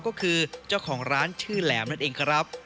ก็คือเจ้าของร้านชื่อแหลมนั่นเองครับ